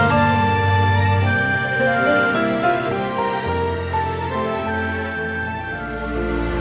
biar dia tenang